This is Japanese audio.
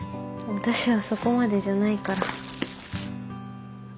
私はそこまでじゃないから。